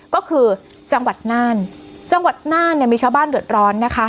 ก็คือจังหวัดน่านจังหวัดน่านเนี่ยมีชาวบ้านเดือดร้อนนะคะ